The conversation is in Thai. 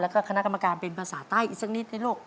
แล้วก็คณะกรรมการเป็นภาษาใต้อีกสักนิดนะลูก